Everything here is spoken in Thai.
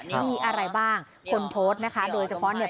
มีอะไรบ้างคนโพสต์นะคะโดยเฉพาะเนี่ย